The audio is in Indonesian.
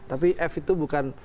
tapi f itu bukan